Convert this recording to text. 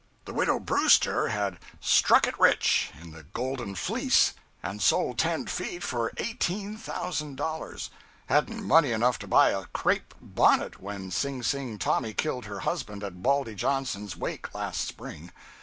The widow Brewster had "struck it rich" in the "Golden Fleece" and sold ten feet for $18,000—hadn't money enough to buy a crape bonnet when Sing Sing Tommy killed her husband at Baldy Johnson's wake last spring.